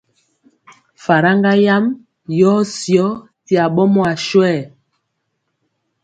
Faraŋga yam yɔɔ syɔ ti aɓɔmɔ aswɛɛ.